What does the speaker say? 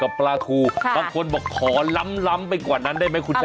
ปลาทูบางคนบอกขอล้ำไปกว่านั้นได้ไหมคุณแจ